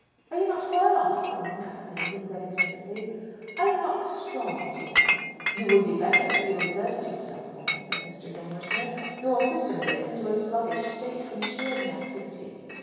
"Are you not well, Aunt Pauline?" asked May with ready sympathy. "I am not strong, dear." "You would be better if you exerted yourself more," said Mr. Dormer Smith. "Your system gets into a sluggish state from sheer inactivity."